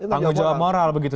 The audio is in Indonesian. tanggung jawab moral begitu